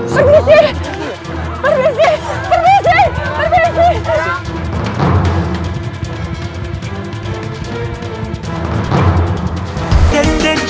permisi permisi permisi permisi